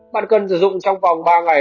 bạn cần sử dụng trong vòng ba ngày